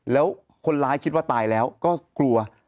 แล้วคนร้ายคิดว่าตายแล้วก็กลัว